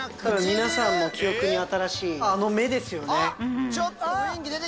皆さんも記憶に新しいあの目ですよね。